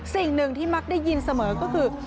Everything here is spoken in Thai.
สิ่งหนึ่งที่มักได้ยินเสมอก็คือ